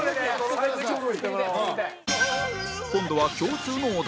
今度は共通のお題